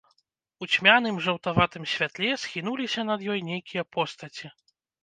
У цьмяным жаўтаватым святле схінуліся над ёй нейкія постаці.